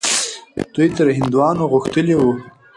دوی تر هندیانو غښتلي وو.